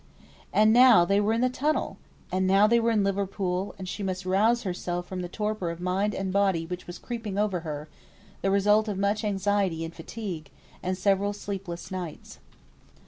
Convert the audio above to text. And now they were in the tunnel! and now they were in Liverpool; and she must rouse herself from the torpor of mind and body which was creeping over her; the result of much anxiety and fatigue, and several sleepless nights.